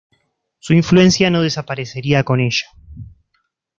Su influencia no desaparecería con ella.